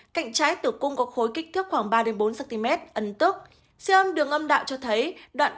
cạnh trái tử cung có khối kích thước khoảng ba bốn cm ấn tức siêu âm đường âm đạo cho thấy đoạn